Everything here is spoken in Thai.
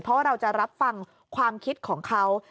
เพราะเราจะรับฟังความคิดของเขา